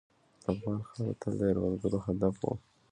افغان خاوره تل د یرغلګرو هدف وه.